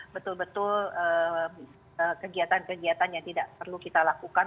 betul betul kegiatan kegiatan yang tidak perlu kita lakukan